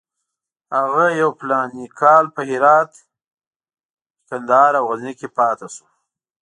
هغه یو فلاني کال په هرات، کندهار او غزني کې پاتې شو.